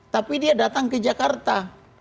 tapi dia datang ke jakarta